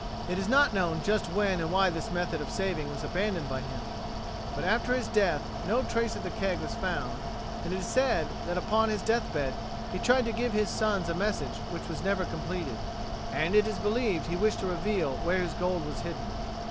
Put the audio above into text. It is not known just when and why this method of saving was abandoned by him. But after his death no trace of the keg was found and it is said that upon his deathbed he tried to give his sons a message which was never completed, and it is believed he wished to reveal where his gold was hidden.